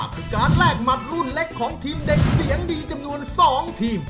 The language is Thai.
คือการแลกหมัดรุ่นเล็กของทีมเด็กเสียงดีจำนวน๒ทีม